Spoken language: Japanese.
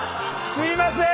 すいません。